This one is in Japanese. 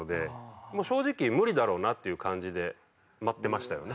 もう正直無理だろうなっていう感じで待ってましたよね。